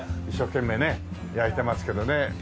一生懸命ね焼いてますけどね。